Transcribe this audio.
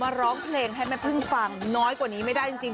ร้องเพลงให้แม่พึ่งฟังน้อยกว่านี้ไม่ได้จริง